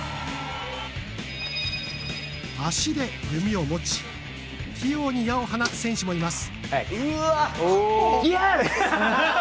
足で弓を持ち器用に矢を放つ選手もいます。